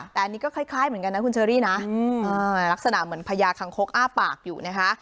แต่อันนี้ก็คล้ายเหมือนกันนะคุณเชอรี่นะลักษณะเหมือนพญาคังคกอ้าปากอยู่นะคะ